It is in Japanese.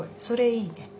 それいいね。